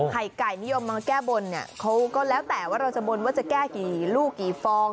ไข่ไก่นิยมมาแก้บนเนี่ยเขาก็แล้วแต่ว่าเราจะบนว่าจะแก้กี่ลูกกี่ฟอง